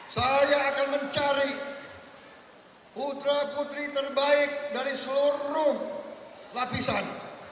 saya akan mencari putra putri terbaik dari seluruh lapisan